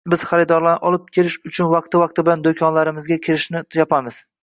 Biz xaridorlarni olib kelish uchun vaqti-vaqti bilan do'konlarimizga kirishni yopamiz